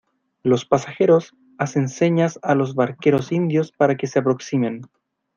los pasajeros hacen señas a los barqueros indios para que se aproximen: